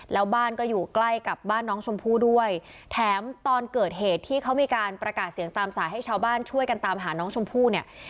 แล้วบ้านก็อยู่ใกล้กับบ้านน้องชมพู่ด้วยแถมตอนเกิดเหตุที่เขามีการประกาศเสียงตามสายให้ชาวบ้านช่วยกันตามหาน้องชมพู่เนี่ย